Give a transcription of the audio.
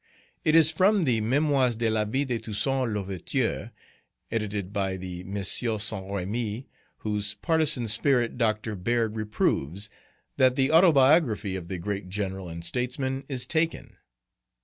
It is from the "Mémoires de la Vie de Toussaint L'Ouverture," edited by the M. Saint Remy, whose partisan spirit Dr. Beard reproves, that the Autobiography of the great General and Statesman is taken.